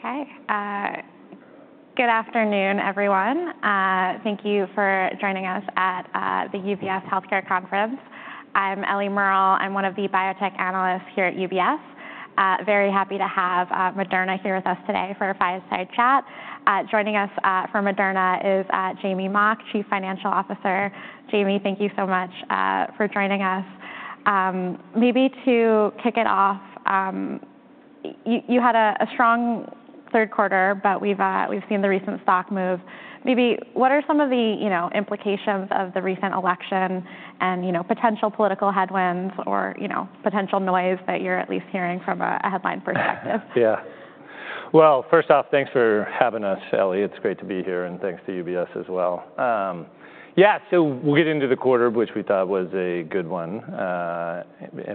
Okay. Good afternoon, everyone. Thank you for joining us at the UBS Healthcare Conference. I'm Ellie Merle. I'm one of the biotech analysts here at UBS. Very happy to have Moderna here with us today for a fireside chat. Joining us for Moderna is Jamey Mock, Chief Financial Officer. Jamey, thank you so much for joining us. Maybe to kick it off, you had a strong third quarter, but we've seen the recent stock move. Maybe what are some of the implications of the recent election and potential political headwinds or potential noise that you're at least hearing from a headline perspective? Yeah, well, first off, thanks for having us, Ellie. It's great to be here and thanks to UBS as well. Yeah, so we'll get into the quarter, which we thought was a good one,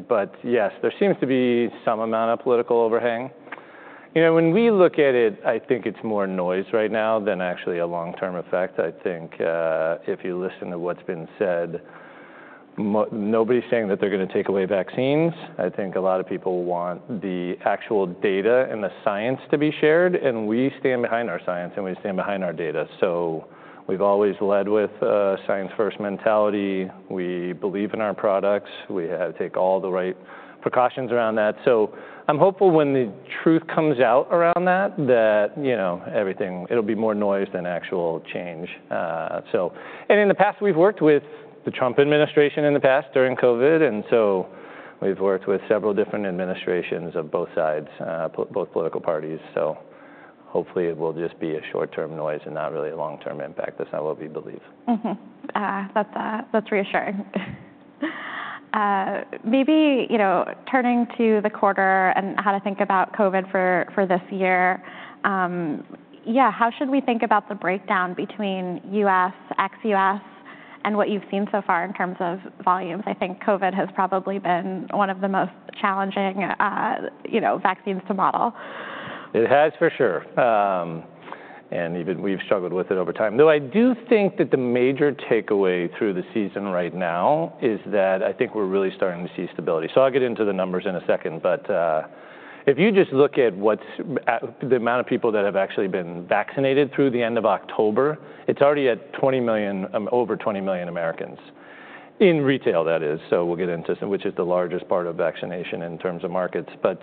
but yes, there seems to be some amount of political overhang. When we look at it, I think it's more noise right now than actually a long-term effect. I think if you listen to what's been said, nobody's saying that they're going to take away vaccines. I think a lot of people want the actual data and the science to be shared, and we stand behind our science, and we stand behind our data, so we've always led with a science-first mentality. We believe in our products. We have to take all the right precautions around that, so I'm hopeful when the truth comes out around that, that it'll be more noise than actual change. And in the past, we've worked with the Trump administration in the past during COVID. And so we've worked with several different administrations of both sides, both political parties. So hopefully, it will just be a short-term noise and not really a long-term impact. That's not what we believe. That's reassuring. Maybe turning to the quarter and how to think about COVID for this year. Yeah, how should we think about the breakdown between U.S., ex-U.S., and what you've seen so far in terms of volumes? I think COVID has probably been one of the most challenging vaccines to model. It has, for sure, and even we've struggled with it over time, though I do think that the major takeaway through the season right now is that I think we're really starting to see stability, so I'll get into the numbers in a second, but if you just look at the amount of people that have actually been vaccinated through the end of October, it's already at 20 million, over 20 million Americans, in retail, that is, so we'll get into which is the largest part of vaccination in terms of markets, but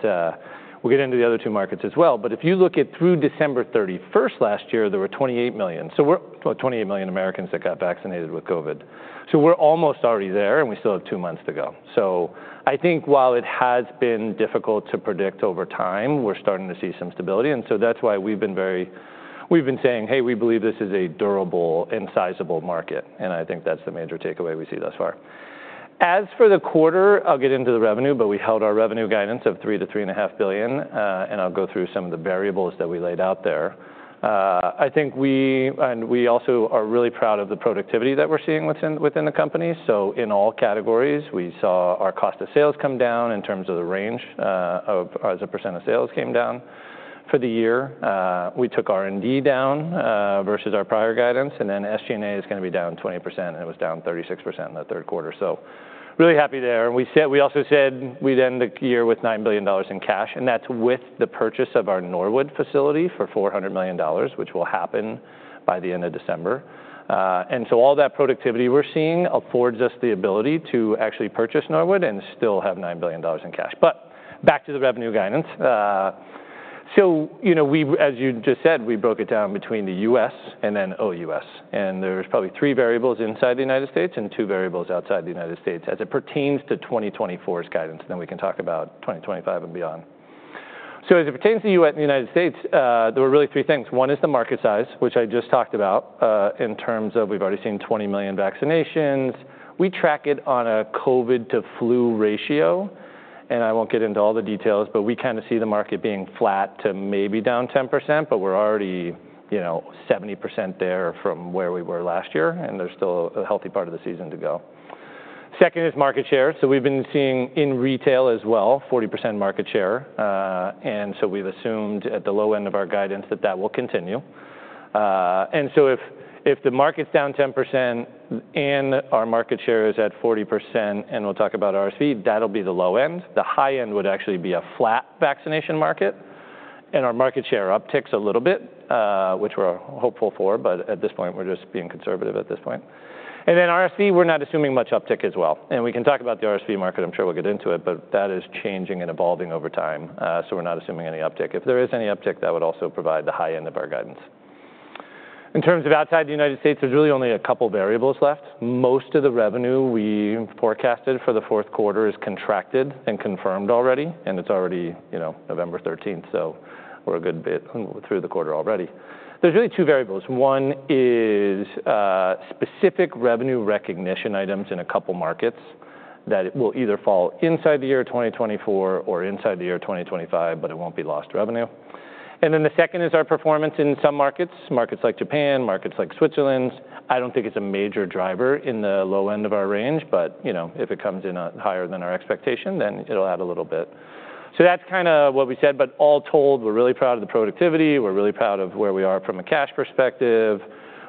we'll get into the other two markets as well, but if you look at through December 31 last year, there were 28 million, so 28 million Americans that got vaccinated with COVID, so we're almost already there, and we still have two months to go. So I think while it has been difficult to predict over time, we're starting to see some stability. And so that's why we've been saying, hey, we believe this is a durable, in sizable market. And I think that's the major takeaway we see thus far. As for the quarter, I'll get into the revenue. But we held our revenue guidance of $3 billion-$3.5 billion. And I'll go through some of the variables that we laid out there. I think we also are really proud of the productivity that we're seeing within the company. So in all categories, we saw our cost of sales come down in terms of the range as a percent of sales came down for the year. We took R&D down versus our prior guidance. And then SG&A is going to be down 20%. And it was down 36% in the third quarter. So really happy there. And we also said we'd end the year with $9 billion in cash. And that's with the purchase of our Norwood facility for $400 million, which will happen by the end of December. And so all that productivity we're seeing affords us the ability to actually purchase Norwood and still have $9 billion in cash. But back to the revenue guidance. So as you just said, we broke it down between the U.S. and then OUS. And there's probably three variables inside the United States and two variables outside the United States as it pertains to 2024's guidance. And then we can talk about 2025 and beyond. So as it pertains to the United States, there were really three things. One is the market size, which I just talked about in terms of we've already seen 20 million vaccinations. We track it on a COVID to flu ratio, and I won't get into all the details, but we kind of see the market being flat to maybe down 10%, but we're already 70% there from where we were last year, and there's still a healthy part of the season to go. Second is market share, so we've been seeing in retail as well, 40% market share, and so we've assumed at the low end of our guidance that that will continue, and so if the market's down 10% and our market share is at 40%, and we'll talk about RSV, that'll be the low end. The high end would actually be a flat vaccination market, and our market share upticks a little bit, which we're hopeful for, but at this point, we're just being conservative at this point, and then RSV, we're not assuming much uptick as well. We can talk about the RSV market. I'm sure we'll get into it. That is changing and evolving over time. We're not assuming any uptick. If there is any uptick, that would also provide the high end of our guidance. In terms of outside the United States, there's really only a couple variables left. Most of the revenue we forecasted for the fourth quarter is contracted and confirmed already. It's already November 13. We're a good bit through the quarter already. There's really two variables. One is specific revenue recognition items in a couple markets that will either fall inside the year 2024 or inside the year 2025. It won't be lost revenue. Then the second is our performance in some markets, markets like Japan, markets like Switzerland. I don't think it's a major driver in the low end of our range. But if it comes in higher than our expectation, then it'll add a little bit. So that's kind of what we said. But all told, we're really proud of the productivity. We're really proud of where we are from a cash perspective.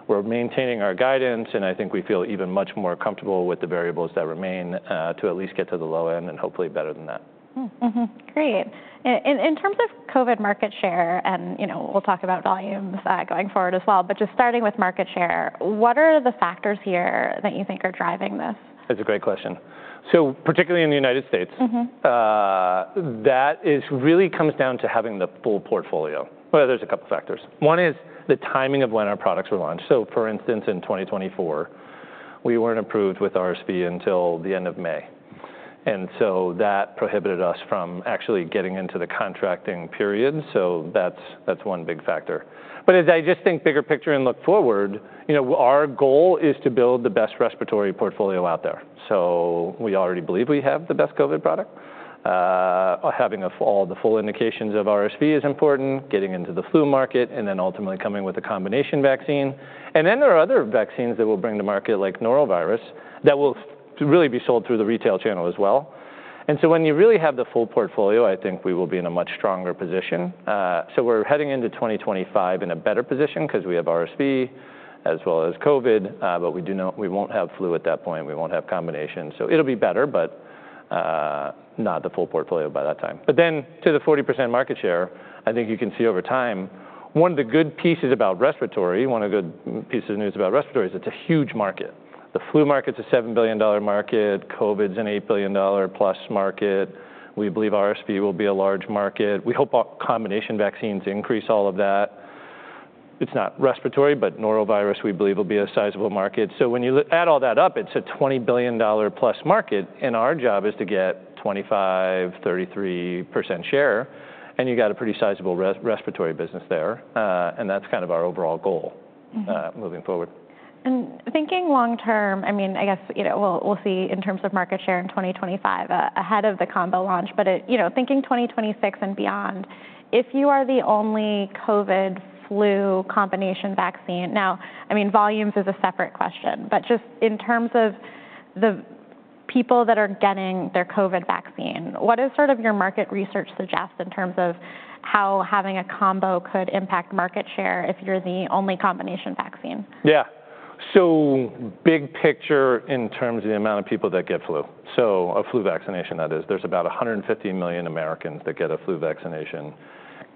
We're maintaining our guidance. And I think we feel even much more comfortable with the variables that remain to at least get to the low end and hopefully better than that. Great. In terms of COVID market share, and we'll talk about volumes going forward as well. But just starting with market share, what are the factors here that you think are driving this? That's a great question. So particularly in the United States, that really comes down to having the full portfolio. Well, there's a couple factors. One is the timing of when our products were launched. So for instance, in 2024, we weren't approved with RSV until the end of May. And so that prohibited us from actually getting into the contracting period. So that's one big factor. But as I just think bigger picture and look forward, our goal is to build the best respiratory portfolio out there. So we already believe we have the best COVID product. Having all the full indications of RSV is important, getting into the flu market, and then ultimately coming with a combination vaccine. And then there are other vaccines that we'll bring to market, like norovirus, that will really be sold through the retail channel as well. And so when you really have the full portfolio, I think we will be in a much stronger position. So we're heading into 2025 in a better position because we have RSV as well as COVID. But we won't have flu at that point. We won't have combination. So it'll be better, but not the full portfolio by that time. But then to the 40% market share, I think you can see over time, one of the good pieces about respiratory, one of the good pieces of news about respiratory is it's a huge market. The flu market's a $7 billion market. COVID's an $8 billion plus market. We believe RSV will be a large market. We hope combination vaccines increase all of that. It's not respiratory. But norovirus, we believe, will be a sizable market. So when you add all that up, it's a $20 billion plus market. Our job is to get 25%, 33% share. You've got a pretty sizable respiratory business there. That's kind of our overall goal moving forward. Thinking long term, I mean, I guess we'll see in terms of market share in 2025 ahead of the combo launch. Thinking 2026 and beyond, if you are the only COVID-flu combination vaccine, now, I mean, volumes is a separate question. Just in terms of the people that are getting their COVID vaccine, what is sort of your market research suggest in terms of how having a combo could impact market share if you're the only combination vaccine? Yeah, so big picture in terms of the amount of people that get flu, so a flu vaccination, that is, there's about 150 million Americans that get a flu vaccination,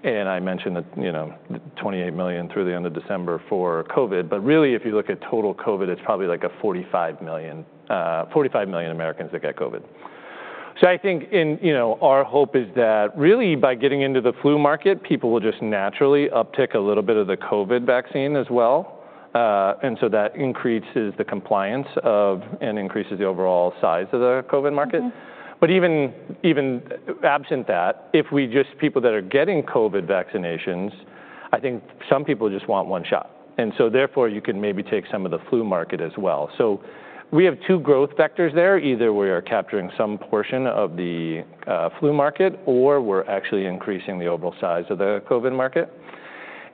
and I mentioned the 28 million through the end of December for COVID. But really, if you look at total COVID, it's probably like 45 million Americans that get COVID. So I think our hope is that really, by getting into the flu market, people will just naturally uptick a little bit of the COVID vaccine as well, and so that increases the compliance and increases the overall size of the COVID market. But even absent that, if we just people that are getting COVID vaccinations, I think some people just want one shot, and so therefore, you can maybe take some of the flu market as well. So we have two growth vectors there. Either we are capturing some portion of the flu market, or we're actually increasing the overall size of the COVID market.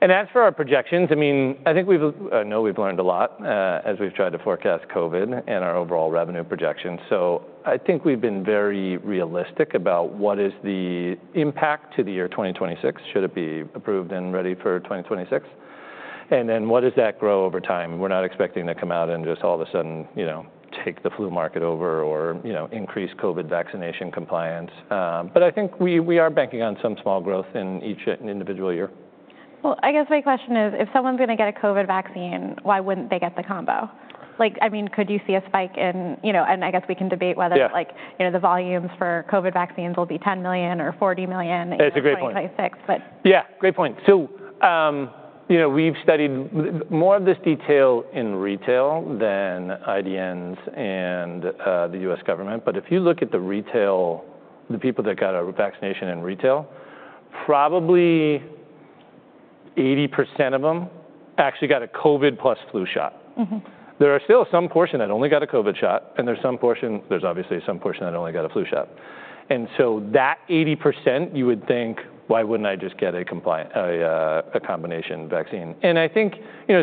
And as for our projections, I mean, I think we've learned a lot as we've tried to forecast COVID and our overall revenue projections. So I think we've been very realistic about what is the impact to the year 2026. Should it be approved and ready for 2026? And then what does that grow over time? We're not expecting to come out and just all of a sudden take the flu market over or increase COVID vaccination compliance. But I think we are banking on some small growth in each individual year. I guess my question is, if someone's going to get a COVID vaccine, why wouldn't they get the combo? I mean, could you see a spike in and I guess we can debate whether the volumes for COVID vaccines will be 10 million or 40 million in 2026. That's a great point. Yeah, great point. So we've studied more of this detail in retail than IDNs and the U.S. government. But if you look at the retail, the people that got a vaccination in retail, probably 80% of them actually got a COVID plus flu shot. There are still some portion that only got a COVID shot. And there's obviously some portion that only got a flu shot. And so that 80%, you would think, why wouldn't I just get a combination vaccine? And I think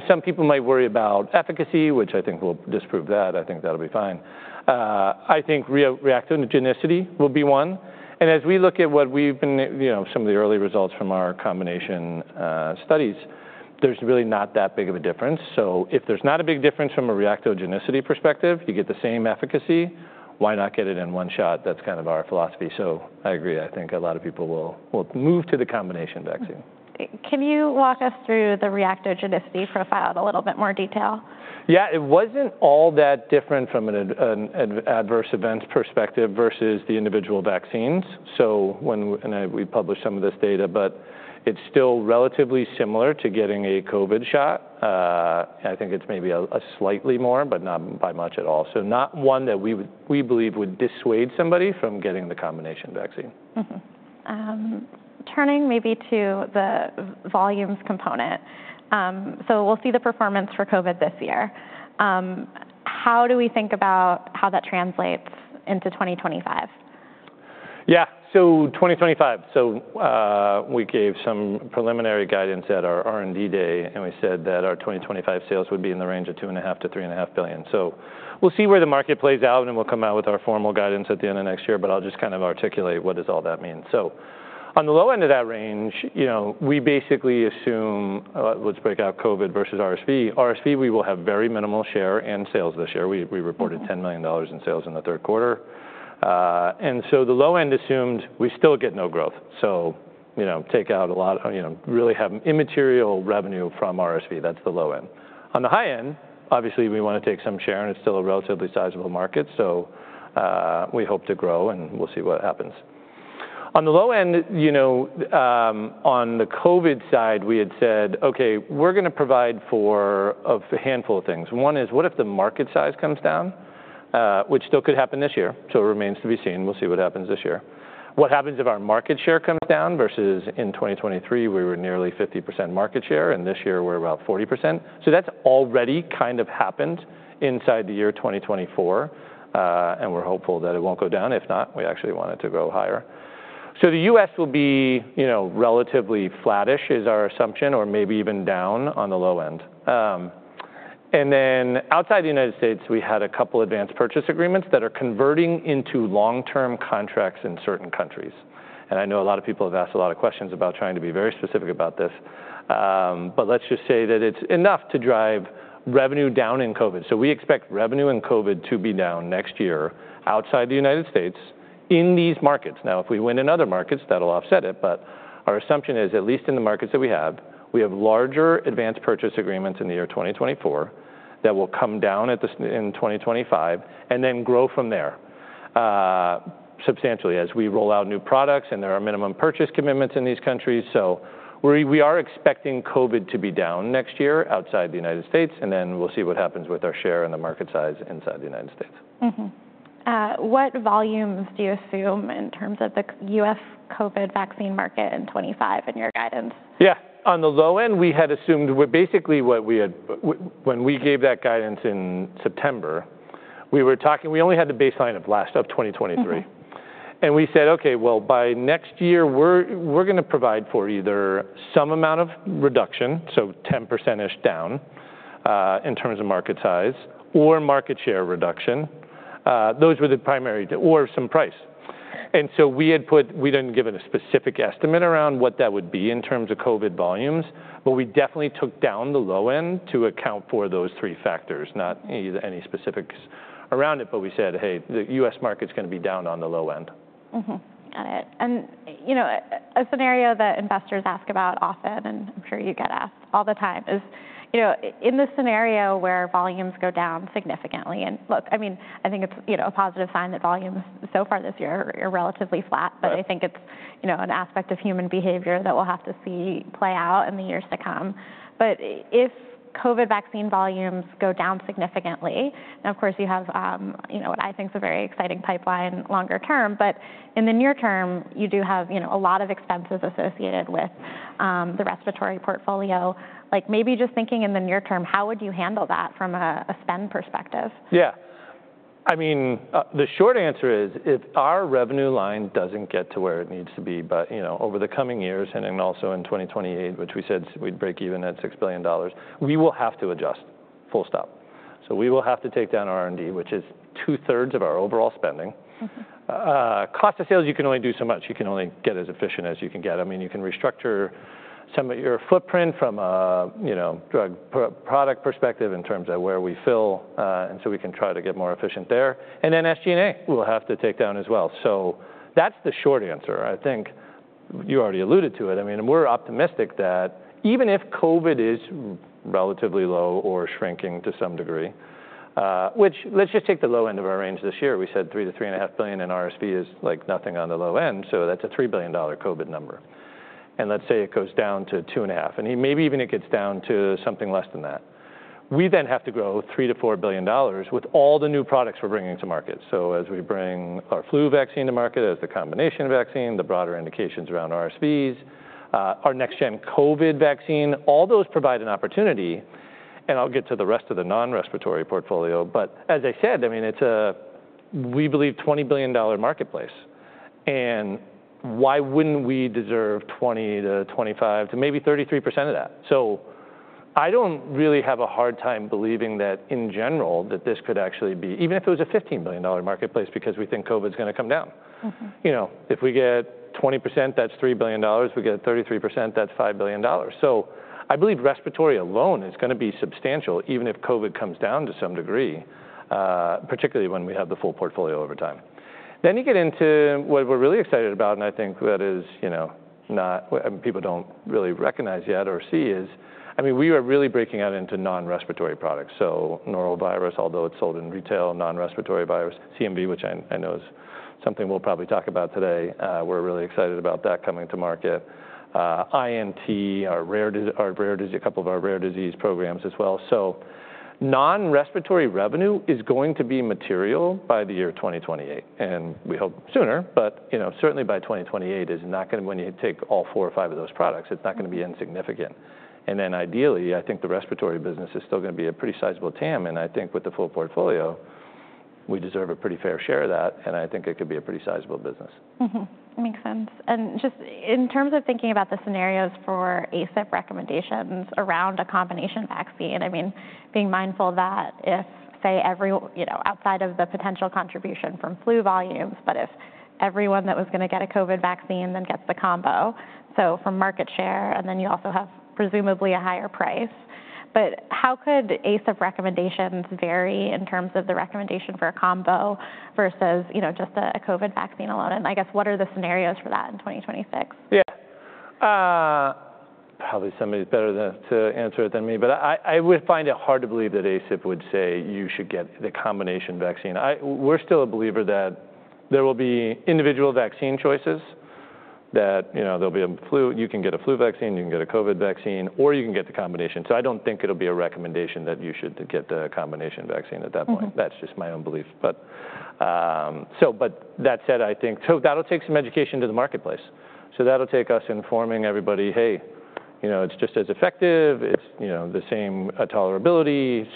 some people might worry about efficacy, which I think we'll disprove that. I think that'll be fine. I think reactogenicity will be one. And as we look at what we've seen in some of the early results from our combination studies, there's really not that big of a difference. So if there's not a big difference from a reactogenicity perspective, you get the same efficacy, why not get it in one shot? That's kind of our philosophy. So I agree. I think a lot of people will move to the combination vaccine. Can you walk us through the reactogenicity profile in a little bit more detail? Yeah. It wasn't all that different from an adverse event perspective versus the individual vaccines. And we published some of this data. But it's still relatively similar to getting a COVID shot. I think it's maybe a slightly more, but not by much at all. So not one that we believe would dissuade somebody from getting the combination vaccine. Turning maybe to the volumes component. So we'll see the performance for COVID this year. How do we think about how that translates into 2025? Yeah. So, 2025, so we gave some preliminary guidance at our R&D Day. And we said that our 2025 sales would be in the range of $2.5 billion-$3.5 billion. So we'll see where the market plays out. And we'll come out with our formal guidance at the end of next year. But I'll just kind of articulate what does all that mean. So on the low end of that range, we basically assume, let's break out COVID versus RSV. RSV, we will have very minimal share and sales this year. We reported $10 million in sales in the third quarter. And so the low end assumed we still get no growth. So take out a lot, really have immaterial revenue from RSV. That's the low end. On the high end, obviously, we want to take some share. And it's still a relatively sizable market. So we hope to grow. We'll see what happens. On the low end, on the COVID side, we had said, OK, we're going to provide for a handful of things. One is what if the market size comes down, which still could happen this year. So it remains to be seen. We'll see what happens this year. What happens if our market share comes down versus in 2023, we were nearly 50% market share. And this year, we're about 40%. So that's already kind of happened inside the year 2024. And we're hopeful that it won't go down. If not, we actually want it to go higher. So the U.S. will be relatively flattish is our assumption, or maybe even down on the low end. And then outside the United States, we had a couple advance purchase agreements that are converting into long-term contracts in certain countries. And I know a lot of people have asked a lot of questions about trying to be very specific about this. But let's just say that it's enough to drive revenue down in COVID. So we expect revenue in COVID to be down next year outside the United States in these markets. Now, if we win in other markets, that'll offset it. But our assumption is, at least in the markets that we have, we have larger advance purchase agreements in the year 2024 that will come down in 2025 and then grow from there substantially as we roll out new products. And there are minimum purchase commitments in these countries. So we are expecting COVID to be down next year outside the United States. And then we'll see what happens with our share and the market size inside the United States. What volumes do you assume in terms of the U.S. COVID vaccine market in 2025 in your guidance? Yeah. On the low end, we had assumed basically what we had when we gave that guidance in September, we were talking we only had the baseline of last of 2023, and we said, OK, well, by next year, we're going to provide for either some amount of reduction, so 10%-ish down in terms of market size, or market share reduction. Those were the primary or some price, and so we had put, we didn't give it a specific estimate around what that would be in terms of COVID volumes. But we definitely took down the low end to account for those three factors, not any specifics around it, but we said, hey, the U.S. market's going to be down on the low end. Got it. And a scenario that investors ask about often, and I'm sure you get asked all the time, is in the scenario where volumes go down significantly. And look, I mean, I think it's a positive sign that volumes so far this year are relatively flat. But I think it's an aspect of human behavior that we'll have to see play out in the years to come. But if COVID vaccine volumes go down significantly, and of course, you have what I think is a very exciting pipeline longer term. But in the near term, you do have a lot of expenses associated with the respiratory portfolio. Maybe just thinking in the near term, how would you handle that from a spend perspective? Yeah. I mean, the short answer is, if our revenue line doesn't get to where it needs to be over the coming years and also in 2028, which we said we'd break even at $6 billion, we will have to adjust. Full stop. So we will have to take down R&D, which is 2/3 of our overall spending. Cost of sales, you can only do so much. You can only get as efficient as you can get. I mean, you can restructure some of your footprint from a drug product perspective in terms of where we fill. And so we can try to get more efficient there. And then SG&A we'll have to take down as well. So that's the short answer. I think you already alluded to it. I mean, we're optimistic that even if COVID is relatively low or shrinking to some degree, which let's just take the low end of our range this year. We said $3 billion-$3.5 billion in RSV is like nothing on the low end. So that's a $3 billion COVID number. And let's say it goes down to $2.5. And maybe even it gets down to something less than that. We then have to grow $3 billion-$4 billion with all the new products we're bringing to market. So as we bring our flu vaccine to market, as the combination vaccine, the broader indications around RSVs, our next-gen COVID vaccine, all those provide an opportunity. And I'll get to the rest of the non-respiratory portfolio. But as I said, I mean, it's a we believe $20 billion marketplace. And why wouldn't we deserve 20-25 to maybe 33% of that? So I don't really have a hard time believing that, in general, that this could actually be even if it was a $15 billion marketplace, because we think COVID's going to come down. If we get 20%, that's $3 billion. If we get 33%, that's $5 billion. So I believe respiratory alone is going to be substantial, even if COVID comes down to some degree, particularly when we have the full portfolio over time. Then you get into what we're really excited about. And I think that is, people don't really recognize yet or see, is, I mean, we are really breaking out into non-respiratory products. So norovirus, although it's sold in retail, non-respiratory virus, CMV, which I know is something we'll probably talk about today. We're really excited about that coming to market. INT, our rare, a couple of our rare disease programs as well. So non-respiratory revenue is going to be material by the year 2028. And we hope sooner. But certainly by 2028 is not going to, when you take all four or five of those products, it's not going to be insignificant. And then ideally, I think the respiratory business is still going to be a pretty sizable TAM. And I think with the full portfolio, we deserve a pretty fair share of that. And I think it could be a pretty sizable business. Makes sense. And just in terms of thinking about the scenarios for ACIP recommendations around a combination vaccine, I mean, being mindful that if, say, outside of the potential contribution from flu volumes, but if everyone that was going to get a COVID vaccine then gets the combo, so from market share, and then you also have presumably a higher price. But how could ACIP recommendations vary in terms of the recommendation for a combo versus just a COVID vaccine alone? And I guess what are the scenarios for that in 2026? Yeah. Probably somebody's better to answer it than me. But I would find it hard to believe that ACIP would say you should get the combination vaccine. We're still a believer that there will be individual vaccine choices, that there'll be a flu. You can get a flu vaccine. You can get a COVID vaccine. Or you can get the combination. So I don't think it'll be a recommendation that you should get the combination vaccine at that point. That's just my own belief. But that said, I think so that'll take some education to the marketplace. So that'll take us informing everybody, hey, it's just as effective. It's the same tolerability.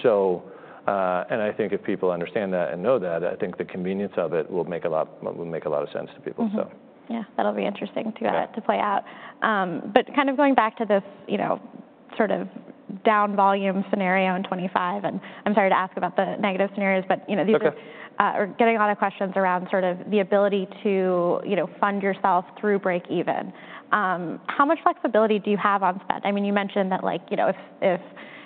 And I think if people understand that and know that, I think the convenience of it will make a lot of sense to people. Yeah. That'll be interesting to play out. But kind of going back to this sort of down volume scenario in 2025, and I'm sorry to ask about the negative scenarios. But we're getting a lot of questions around sort of the ability to fund yourself through break even. How much flexibility do you have on spend? I mean, you mentioned that if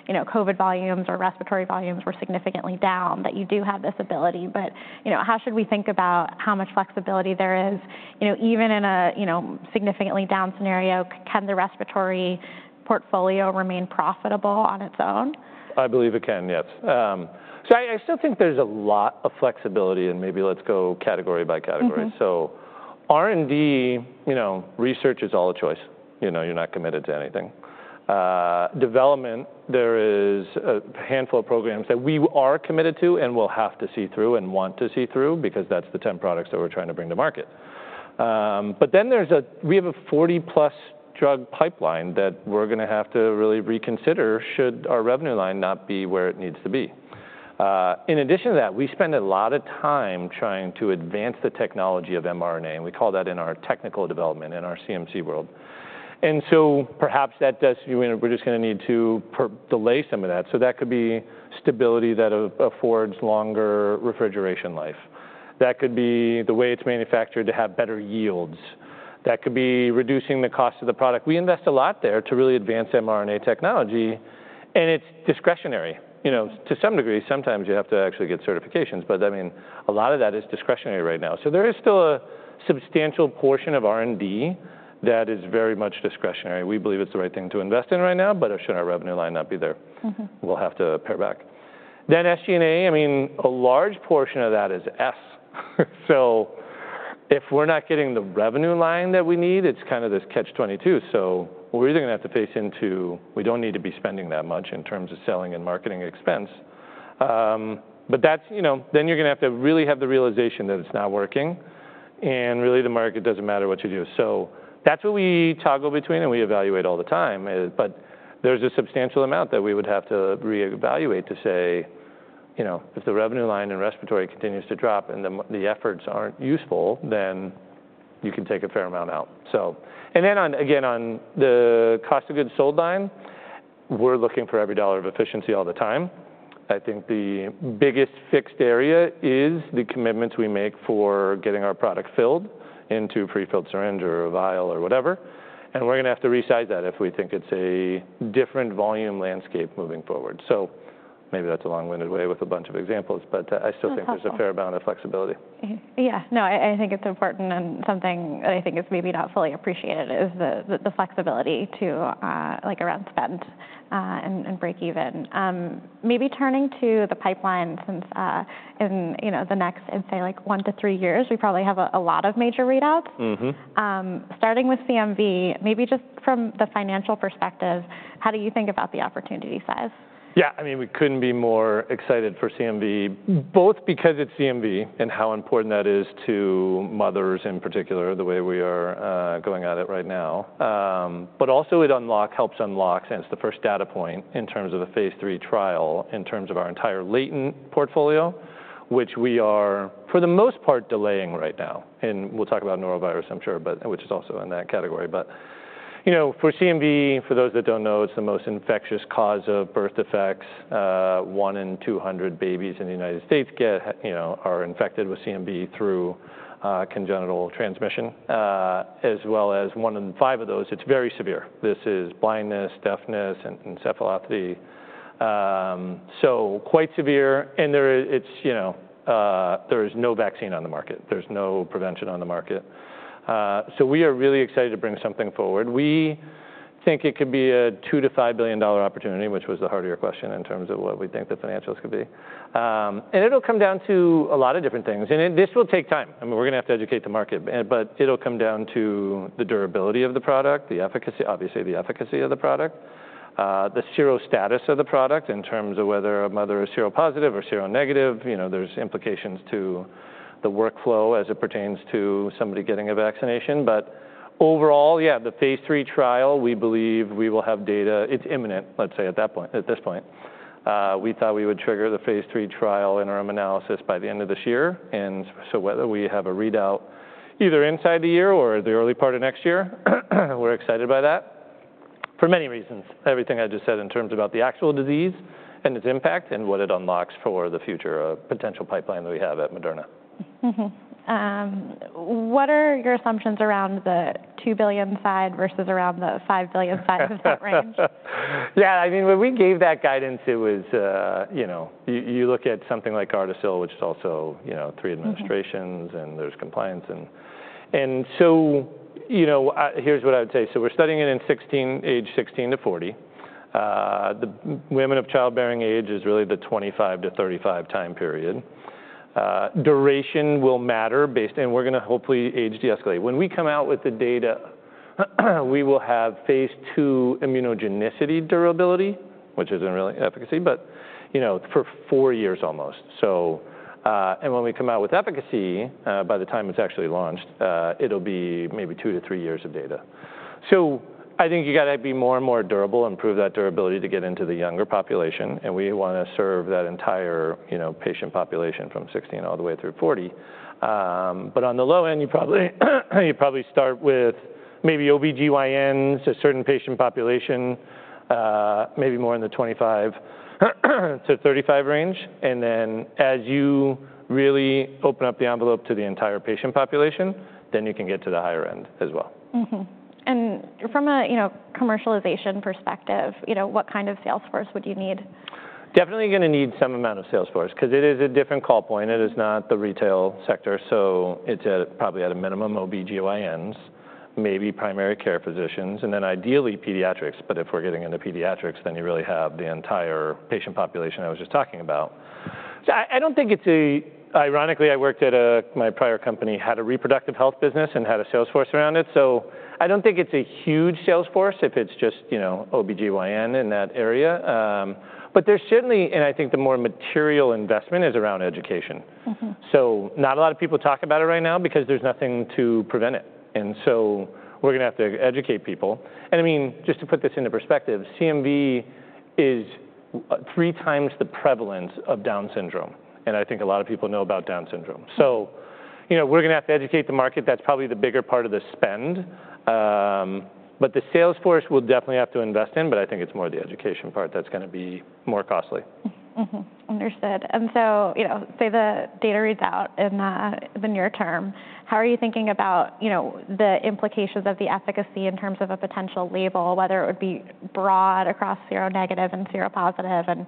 COVID volumes or respiratory volumes were significantly down, that you do have this ability. But how should we think about how much flexibility there is? Even in a significantly down scenario, can the respiratory portfolio remain profitable on its own? I believe it can, yes, so I still think there's a lot of flexibility, and maybe let's go category by category, so R&D research is all a choice. You're not committed to anything. Development, there is a handful of programs that we are committed to and will have to see through and want to see through, because that's the 10 products that we're trying to bring to market, but then we have a 40+ drug pipeline that we're going to have to really reconsider should our revenue line not be where it needs to be. In addition to that, we spend a lot of time trying to advance the technology of mRNA, and we call that in our technical development in our CMC world, and so perhaps that does. We're just going to need to delay some of that, so that could be stability that affords longer refrigeration life. That could be the way it's manufactured to have better yields. That could be reducing the cost of the product. We invest a lot there to really advance mRNA technology, and it's discretionary. To some degree, sometimes you have to actually get certifications, but I mean, a lot of that is discretionary right now, so there is still a substantial portion of R&D that is very much discretionary. We believe it's the right thing to invest in right now, but should our revenue line not be there, we'll have to pare back, then SG&A, I mean, a large portion of that is S, so if we're not getting the revenue line that we need, it's kind of this catch-22, so we're either going to have to face into we don't need to be spending that much in terms of selling and marketing expense. But then you're going to have to really have the realization that it's not working. And really, the market doesn't matter what you do. So that's what we toggle between. And we evaluate all the time. But there's a substantial amount that we would have to reevaluate to say if the revenue line in respiratory continues to drop and the efforts aren't useful, then you can take a fair amount out. And then again, on the cost of goods sold line, we're looking for every dollar of efficiency all the time. I think the biggest fixed area is the commitments we make for getting our product filled into prefilled syringe or vial or whatever. And we're going to have to resize that if we think it's a different volume landscape moving forward. So maybe that's a long-winded way with a bunch of examples. But I still think there's a fair amount of flexibility. Yeah. No, I think it's important, and something that I think is maybe not fully appreciated is the flexibility around spend and break even. Maybe turning to the pipeline, since in the next, I'd say, like one to three years, we probably have a lot of major readouts. Starting with CMV, maybe just from the financial perspective, how do you think about the opportunity size? Yeah. I mean, we couldn't be more excited for CMV, both because it's CMV and how important that is to mothers in particular, the way we are going at it right now. But also, it helps unlock since the first data point in terms of a Phase III trial in terms of our entire latent portfolio, which we are, for the most part, delaying right now, and we'll talk about norovirus, I'm sure, which is also in that category. But for CMV, for those that don't know, it's the most infectious cause of birth defects. One in 200 babies in the United States are infected with CMV through congenital transmission, as well as one in 5 of those, it's very severe. This is blindness, deafness, and encephalopathy. So quite severe. And there is no vaccine on the market. There's no prevention on the market. So we are really excited to bring something forward. We think it could be a $2 billion-$5 billion opportunity, which was the harder question in terms of what we think the financials could be. And it'll come down to a lot of different things. And this will take time. I mean, we're going to have to educate the market. But it'll come down to the durability of the product, obviously the efficacy of the product, the serostatus of the product in terms of whether a mother is seropositive or seronegative. There's implications to the workflow as it pertains to somebody getting a vaccination. But overall, yeah, the Phase III trial, we believe we will have data. It's imminent, let's say, at this point. We thought we would trigger the Phase III trial interim analysis by the end of this year. Whether we have a readout either inside the year or the early part of next year, we're excited by that for many reasons, everything I just said in terms of the actual disease and its impact and what it unlocks for the future potential pipeline that we have at Moderna. What are your assumptions around the $2 billion side versus around the $5 billion side of that range? Yeah. I mean, when we gave that guidance, it was you look at something like Gardasil, which is also three administrations. And there's compliance. And so here's what I would say. So we're studying it in age 16-40. The women of childbearing age is really the 25-35 time period. Duration will matter based on, and we're going to hopefully age de-escalate. When we come out with the data, we will have Phase II immunogenicity durability, which isn't really efficacy, but for four years almost. And when we come out with efficacy, by the time it's actually launched, it'll be maybe two to three years of data. So I think you've got to be more and more durable and prove that durability to get into the younger population. And we want to serve that entire patient population from 16 all the way through 40. But on the low end, you probably start with maybe OB-GYNs, a certain patient population, maybe more in the 25-35 range. And then as you really open up the envelope to the entire patient population, then you can get to the higher end as well. From a commercialization perspective, what kind of sales force would you need? Definitely going to need some amount of sales force, because it is a different call point. It is not the retail sector. So it's probably at a minimum OB-GYNs, maybe primary care physicians, and then ideally pediatrics. But if we're getting into pediatrics, then you really have the entire patient population I was just talking about. So I don't think it's, ironically, I worked at my prior company, had a reproductive health business, and had a sales force around it. So I don't think it's a huge sales force if it's just OB-GYN in that area. But there's certainly, and I think the more material investment is around education. So not a lot of people talk about it right now, because there's nothing to prevent it. And so we're going to have to educate people. I mean, just to put this into perspective, CMV is three times the prevalence of Down syndrome. And I think a lot of people know about Down syndrome. So we're going to have to educate the market. That's probably the bigger part of the spend. But the sales force we'll definitely have to invest in. But I think it's more the education part that's going to be more costly. Understood. And so say the data reads out in the near term, how are you thinking about the implications of the efficacy in terms of a potential label, whether it would be broad across seronegative and seropositive, and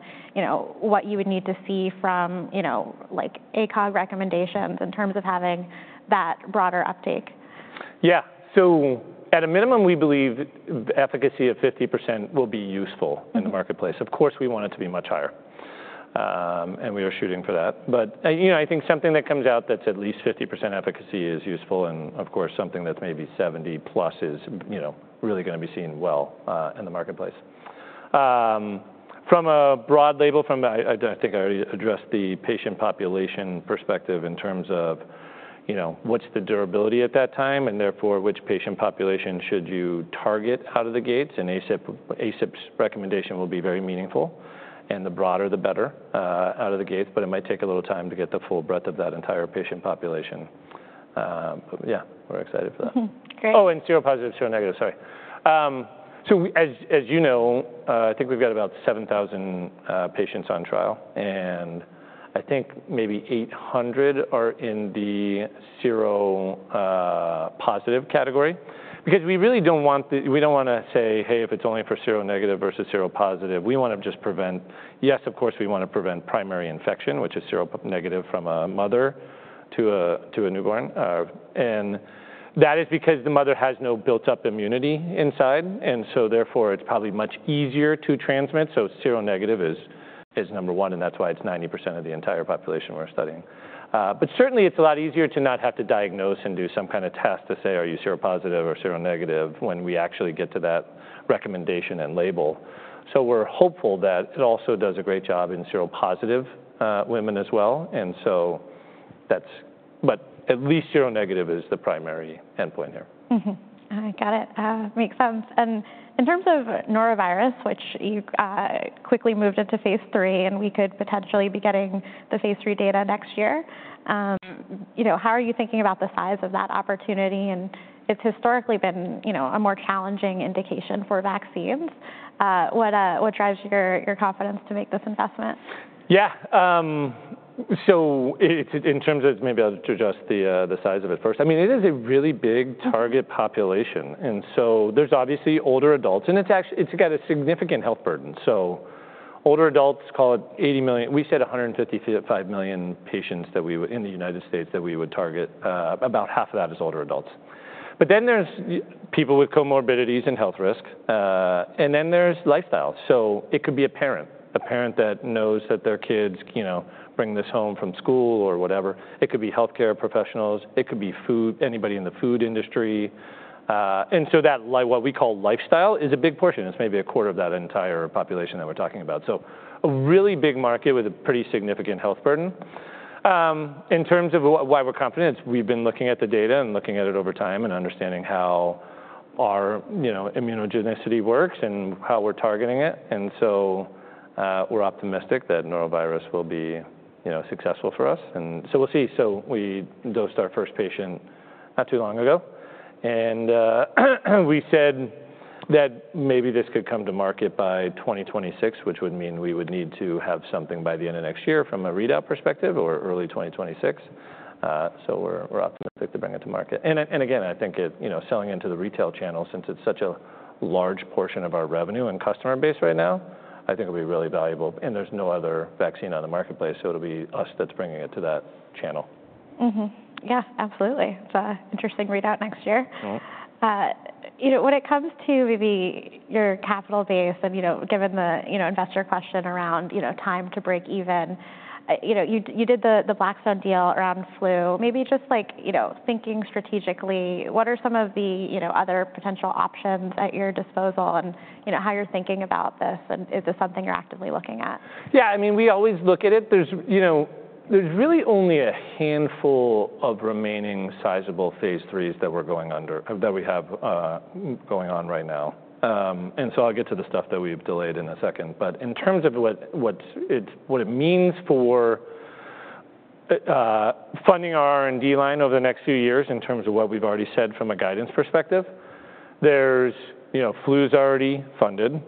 what you would need to see from ACOG recommendations in terms of having that broader uptake? Yeah. So at a minimum, we believe efficacy of 50% will be useful in the marketplace. Of course, we want it to be much higher. And we are shooting for that. But I think something that comes out that's at least 50% efficacy is useful. And of course, something that's maybe 70+% is really going to be seen well in the marketplace. From a broad label, I think I already addressed the patient population perspective in terms of what's the durability at that time. And therefore, which patient population should you target out of the gates? And ACIP's recommendation will be very meaningful. And the broader, the better out of the gates. But it might take a little time to get the full breadth of that entire patient population. But yeah, we're excited for that. Great. Oh, and seropositive, seronegative, sorry. So as you know, I think we've got about 7,000 patients on trial. And I think maybe 800 are in the seropositive category. Because we really don't want to say, hey, if it's only for seronegative versus seropositive, we want to just prevent. Yes, of course, we want to prevent primary infection, which is seronegative from a mother to a newborn. And that is because the mother has no built-up immunity inside. And so therefore, it's probably much easier to transmit. So seronegative is number one. And that's why it's 90% of the entire population we're studying. But certainly, it's a lot easier to not have to diagnose and do some kind of test to say, are you seropositive or seronegative when we actually get to that recommendation and label. So we're hopeful that it also does a great job in seropositive women as well. That's but at least seronegative is the primary endpoint here. I got it. Makes sense. And in terms of norovirus, which you quickly moved into Phase III, and we could potentially be getting the Phase III data next year, how are you thinking about the size of that opportunity? And it's historically been a more challenging indication for vaccines. What drives your confidence to make this investment? Yeah. So in terms of maybe I'll just address the size of it first. I mean, it is a really big target population. And so there's obviously older adults. And it's got a significant health burden. So older adults, call it 80 million. We said 155 million patients in the United States that we would target. About half of that is older adults. But then there's people with comorbidities and health risk. And then there's lifestyle. So it could be a parent, a parent that knows that their kids bring this home from school or whatever. It could be health care professionals. It could be anybody in the food industry. And so what we call lifestyle is a big portion. It's maybe a quarter of that entire population that we're talking about. So a really big market with a pretty significant health burden. In terms of why we're confident, we've been looking at the data and looking at it over time and understanding how our immunogenicity works and how we're targeting it, and so we're optimistic that norovirus will be successful for us, and so we'll see, so we dosed our first patient not too long ago. And we said that maybe this could come to market by 2026, which would mean we would need to have something by the end of next year from a readout perspective or early 2026, so we're optimistic to bring it to market. And again, I think selling into the retail channel, since it's such a large portion of our revenue and customer base right now, I think it'll be really valuable, and there's no other vaccine on the marketplace, so it'll be us that's bringing it to that channel. Yeah, absolutely. It's an interesting readout next year. When it comes to maybe your capital base and given the investor question around time to break even, you did the Blackstone deal around flu. Maybe just thinking strategically, what are some of the other potential options at your disposal and how you're thinking about this? And is this something you're actively looking at? Yeah. I mean, we always look at it. There's really only a handful of remaining sizable Phase IIIs that we have going on right now. And so I'll get to the stuff that we've delayed in a second. But in terms of what it means for funding our R&D line over the next few years in terms of what we've already said from a guidance perspective, flu's already funded.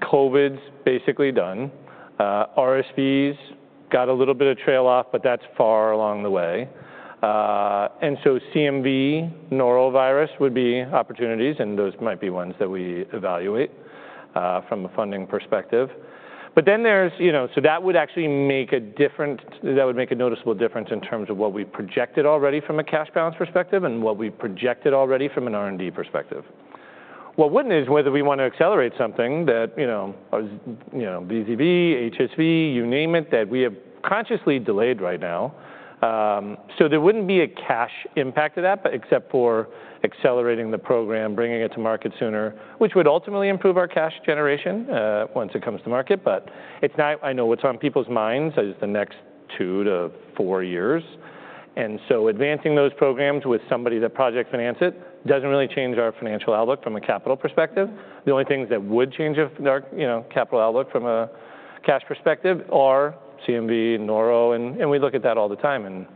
COVID's basically done. RSV's got a little bit of trail off, but that's far along the way. And so CMV, norovirus would be opportunities. And those might be ones that we evaluate from a funding perspective. But then there's so that would actually make a difference that would make a noticeable difference in terms of what we projected already from a cash balance perspective and what we projected already from an R&D perspective. What wouldn't is whether we want to accelerate something that VZV, HSV, you name it, that we have consciously delayed right now. So there wouldn't be a cash impact to that, except for accelerating the program, bringing it to market sooner, which would ultimately improve our cash generation once it comes to market. But I know what's on people's minds is the next two to four years. And so advancing those programs with somebody that project finance it doesn't really change our financial outlook from a capital perspective. The only things that would change our capital outlook from a cash perspective are CMV, noro. And we look at that all the time. And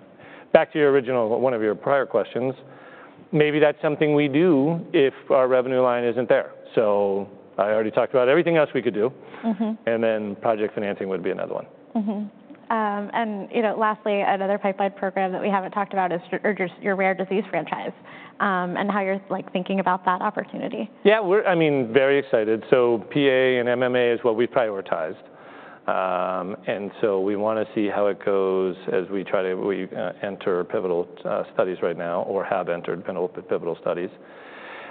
back to your original, one of your prior questions, maybe that's something we do if our revenue line isn't there. So I already talked about everything else we could do. And then project financing would be another one. And lastly, another pipeline program that we haven't talked about is your rare disease franchise and how you're thinking about that opportunity. Yeah. I mean, very excited. So PA and MMA is what we've prioritized. And so we want to see how it goes as we try to enter pivotal studies right now or have entered pivotal studies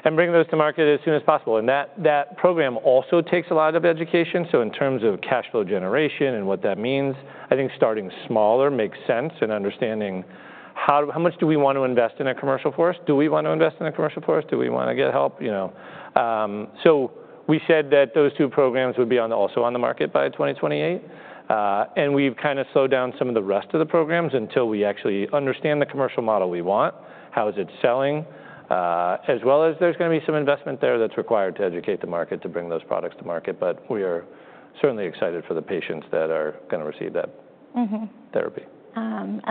and bring those to market as soon as possible. And that program also takes a lot of education. So in terms of cash flow generation and what that means, I think starting smaller makes sense and understanding how much do we want to invest in a commercial footprint? Do we want to invest in a commercial footprint? Do we want to get help? So we said that those two programs would be also on the market by 2028. We've kind of slowed down some of the rest of the programs until we actually understand the commercial model we want, how is it selling, as well as there's going to be some investment there that's required to educate the market to bring those products to market. We are certainly excited for the patients that are going to receive that therapy. Then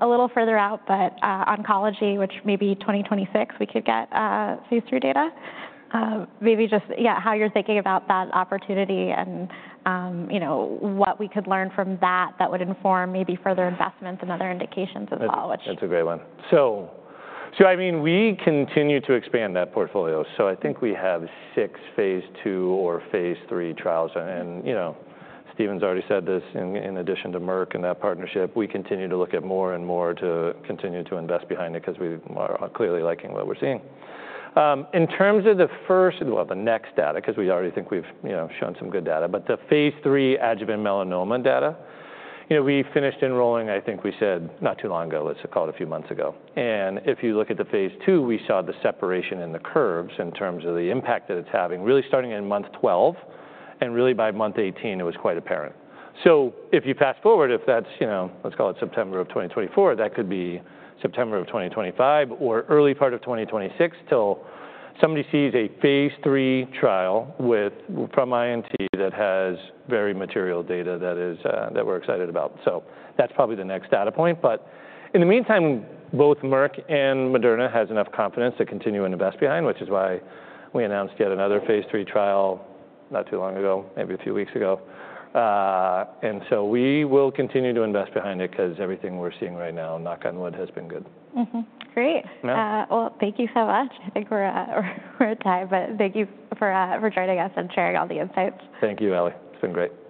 a little further out, but oncology, which maybe 2026 we could get Phase III data, maybe just, yeah, how you're thinking about that opportunity and what we could learn from that that would inform maybe further investments and other indications as well. That's a great one. So I mean, we continue to expand that portfolio. So I think we have six Phase II or Phase III trials. And Stephen already said this. In addition to Merck and that partnership, we continue to look at more and more to continue to invest behind it because we are clearly liking what we're seeing. In terms of the first, well, the next data, because we already think we've shown some good data, but the Phase III adjuvant melanoma data, we finished enrolling, I think we said not too long ago. Let's call it a few months ago. And if you look at the Phase II, we saw the separation in the curves in terms of the impact that it's having, really starting in month 12. And really by month 18, it was quite apparent. So if you fast forward, if that's, let's call it September of 2024, that could be September of 2025 or early part of 2026 till somebody sees a Phase III trial from INT that has very material data that we're excited about. So that's probably the next data point. But in the meantime, both Merck and Moderna have enough confidence to continue and invest behind, which is why we announced yet another Phase III trial not too long ago, maybe a few weeks ago. And so we will continue to invest behind it because everything we're seeing right now, knock on wood, has been good. Great. Well, thank you so much. I think we're at time. But thank you for joining us and sharing all the insights. Thank you, Ellie. It's been great.